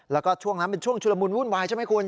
แล้วก็ช่วงนั้นเป็นช่วงชุลมุนวุ่นวายใช่ไหมคุณ